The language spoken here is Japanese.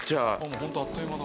ホントあっという間だ。